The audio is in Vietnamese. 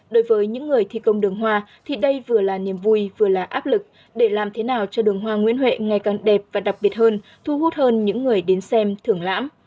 đối với những người thi công đường hoa thì đây vừa là niềm vui vừa là áp lực để làm thế nào cho đường hoa nguyễn huệ ngày càng đẹp và đặc biệt hơn thu hút hơn những người đến xem thưởng lãm